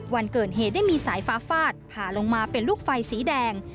วันเกิดเหตุได้มีสายฟ้าฟาดผ่าลงมาเป็นลูกไฟสีแดง